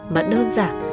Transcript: mà đơn giản